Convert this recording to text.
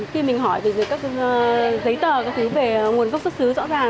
khi mình hỏi về các giấy tờ các thứ về nguồn gốc xuất xứ rõ ràng